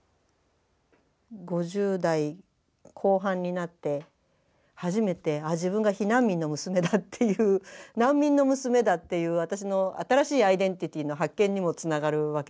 ５０代後半になって初めて「あっ自分が避難民の娘だ」っていう難民の娘だっていう私の新しいアイデンティティーの発見にもつながるわけですよね。